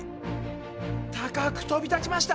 高く飛び立ちました！